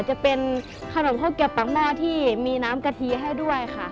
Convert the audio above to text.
จะเป็นขนมข้าวเก็บปากหม้อที่มีน้ำกะทิให้ด้วยค่ะ